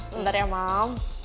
bentar ya mam